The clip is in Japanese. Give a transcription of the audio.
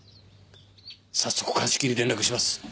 早速鑑識に連絡します。